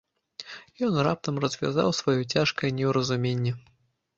Ён раптам развязаў сваё цяжкае неўразуменне.